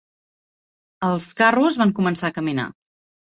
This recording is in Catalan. Els carros van començar a caminar